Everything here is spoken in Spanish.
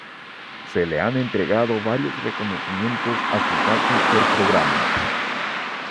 Se le han entregado varios reconocimientos a su paso por programas.